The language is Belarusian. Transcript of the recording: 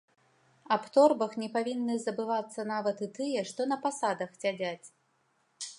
Аб торбах не павінны забывацца нават і тыя, што на пасадах сядзяць.